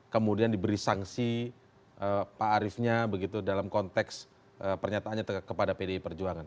kemudian diberi sanksi pak ariefnya begitu dalam konteks pernyataannya kepada pdi perjuangan